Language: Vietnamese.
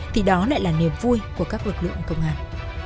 thì đó lại là niềm vui của các lực lượng công an